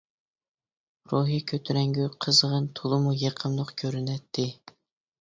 روھى كۆتۈرەڭگۈ، قىزغىن، تولىمۇ يېقىملىق كۆرۈنەتتى.